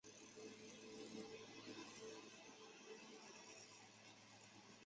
殿试登进士第三甲第一百名。